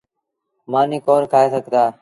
مآݩيٚ ڪون کآئي سگھتآ۔